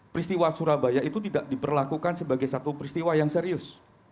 peristiwa surabaya itu tidak diperlakukan sebagai satu peristiwa yang serius